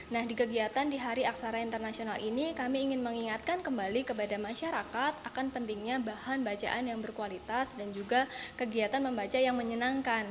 nah di kegiatan di hari aksara internasional ini kami ingin mengingatkan kembali kepada masyarakat akan pentingnya bahan bacaan yang berkualitas dan juga kegiatan membaca yang menyenangkan